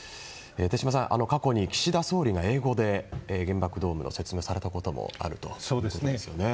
手嶋さん、過去に岸田総理が英語で原爆ドームの説明をされたこともあるということですね。